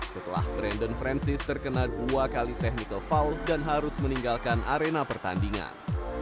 setelah brandon francis terkena dua kali technical fault dan harus meninggalkan arena pertandingan